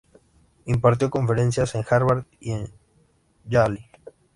Impartió conferencias en Harvard y en Yale.